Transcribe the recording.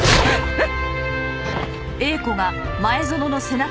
えっ？